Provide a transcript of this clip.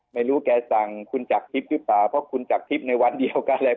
ไม่รู้แกสั่งคุณจักรทิพย์หรือเปล่าเพราะคุณจักรทิพย์ในวันเดียวกันเลย